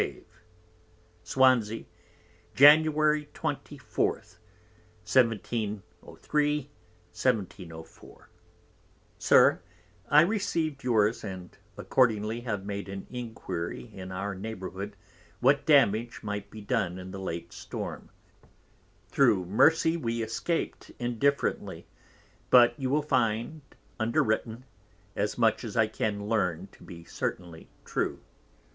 Chave. Swanzy, January 24, 1703/4. SIR, I receiv'd yours and accordingly have made an enquiry in our Neighbourhood what damage might be done in the late Storm, thro Mercy we escap'd indifferently, but you will find underwritten as much as I can learn to be certainly true.